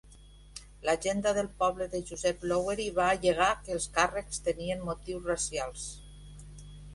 L'Agenda del Poble de Joseph Lowery va al·legar que els càrrecs tenien motius racials.